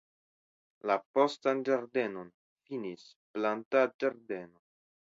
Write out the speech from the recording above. La postan ĝardenon finis plantadĝardeno.